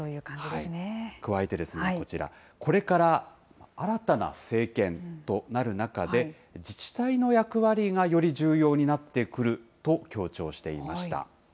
加えてこちら、これから新たな政権となる中で、自治体の役割がより重要になってくると強調していました。